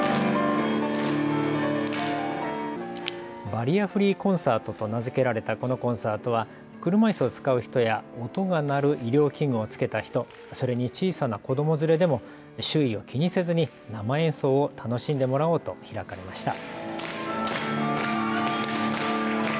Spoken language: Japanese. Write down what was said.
バリアフリーコンサートと名付けられたこのコンサートは車いすを使う人や音が鳴る医療器具をつけた人、それに小さな子ども連れでも周囲を気にせずに生演奏を楽しんでもらおうと開かれました。